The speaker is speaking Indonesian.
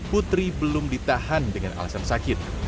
putri belum ditahan dengan alasan sakit